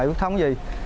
với thống gì